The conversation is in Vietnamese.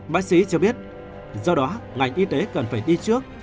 bác sĩ cho biết do đó ngành y tế cần phải đi trước